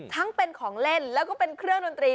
ทั้งเป็นของเล่นแล้วก็เป็นเครื่องดนตรี